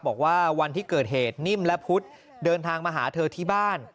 บอกว่าวันที่เกิดเหตุนิ่มและพุทธเดินทางมาหาเธอที่บ้าน